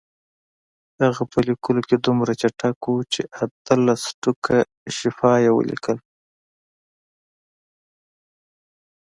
هغه په لیکلو کې دومره چټک و چې اتلس ټوکه شفا یې ولیکل.